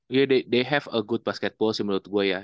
mereka punya basket yang bagus sih menurut gue ya